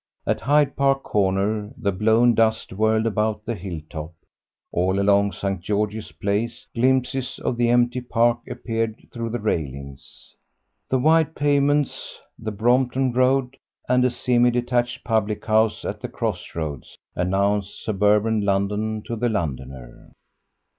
At Hyde Park Corner the blown dust whirled about the hill top; all along St. George's Place glimpses of the empty Park appeared through the railings. The wide pavements, the Brompton Road, and a semi detached public house at the cross roads, announced suburban London to the Londoner.